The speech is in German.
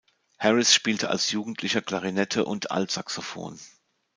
Harris spielte als Jugendlicher Klarinette und Altsaxophon.